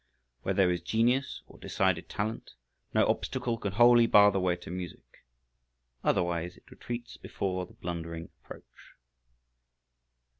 Where there is genius, or decided talent, no obstacle can wholly bar the way to music. Otherwise, it retreats before the blundering approach.